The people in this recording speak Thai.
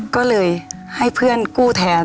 ก็เลยให้เพื่อนกู้แทน